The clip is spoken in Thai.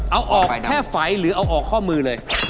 เอาออกแค่ไฝหรือเอาออกข้อมือเลย